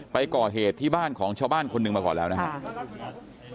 ไปก่อเหตุที่บ้านของชาวบ้านคนหนึ่งมาก่อนแล้วนะครับ